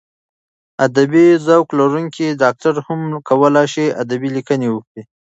ادبي ذوق لرونکی ډاکټر هم کولای شي ادبي لیکنې وکړي.